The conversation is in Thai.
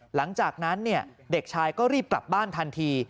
หลังจากนั้นเด็กชายก็รีบกลับบ้านทันที